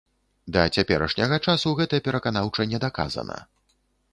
Да цяперашняга часу гэта пераканаўча не даказана.